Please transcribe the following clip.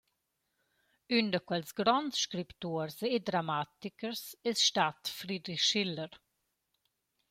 Ün da quels gronds scriptuors e dramatikers es stat Friedrich Schiller.